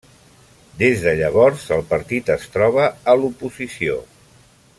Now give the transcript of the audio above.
Des de llavors el partit es troba a l'oposició.